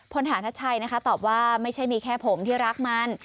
ฐานทัชชัยนะคะตอบว่าไม่ใช่มีแค่ผมที่รักมัน